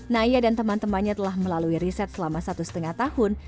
naya dan teman temannya telah melalui riset selama satu lima tahun